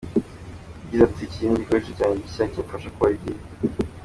Yagize ati “iki ni igikoresho cyanjye gishya kimfasha kubara igihe.